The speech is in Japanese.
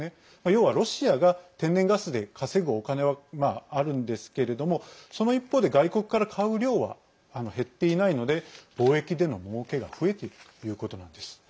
要はロシアが天然ガスで稼ぐお金はあるんですけれどもその一方で、外国から買う量は減っていないので貿易でのもうけが増えているということなんです。